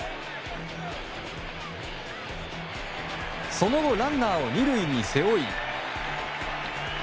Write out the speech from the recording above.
その後ランナーを２塁に背負い。